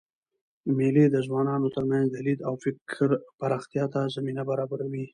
مېلې د ځوانانو ترمنځ د لید او فکر پراختیا ته زمینه برابروي.